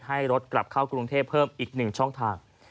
ให้รถกลับเข้ากรุงเทพเพิ่มอีก๑ช่องทาง